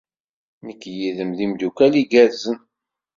Nekk yid-m d imeddukal igerrzen.